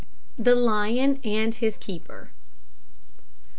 THE LION AND HIS KEEPER.